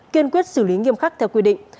kiên quyết xử lý nghiêm khắc theo quy định